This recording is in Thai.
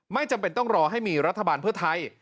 จำเป็นต้องรอให้มีรัฐบาลเพื่อไทย